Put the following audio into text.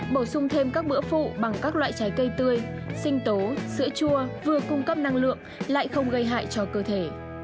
bổ sung thêm các bữa phụ bằng các loại trái cây tươi sinh tố sữa chua vừa cung cấp năng lượng lại không gây hại cho cơ thể